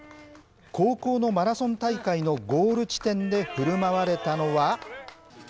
高校のマラソン大会のゴール地点でふるまわれたのは。